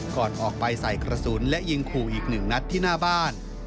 ก่อนออกไปใส่กระสุนและยิงขู่อีกหนึ่งนัดที่หน้าบ้าน